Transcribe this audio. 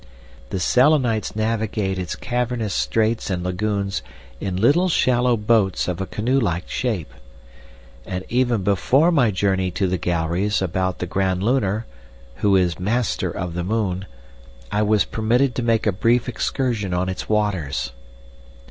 The Selenites navigate its cavernous straits and lagoons in little shallow boats of a canoe like shape; and even before my journey to the galleries about the Grand Lunar, who is Master of the Moon, I was permitted to make a brief excursion on its waters.